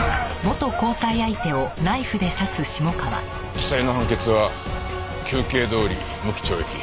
地裁の判決は求刑どおり無期懲役。